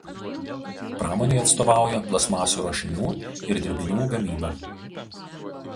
Pramonei atstovauja plastmasių ruošinių ir dirbinių gamyba.